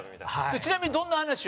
ちなみに、どんな話を？